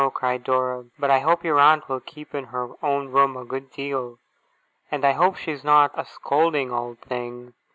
cried Dora. 'But I hope your aunt will keep in her own room a good deal. And I hope she's not a scolding old thing!